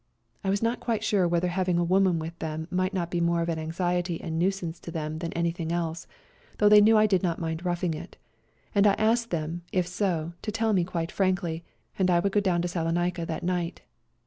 I was not quite sure whether having a woman with them might not be more of an anxiety and nuisance to them than anything else, though they knew I did not mind roughing it ; and I asked them, if so, to tell me quite frankly, and I would go down to Salonica that night.